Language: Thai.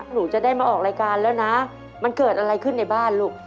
หนูจะได้มาออกรายการแล้วนะมันเกิดอะไรขึ้นในบ้านลูก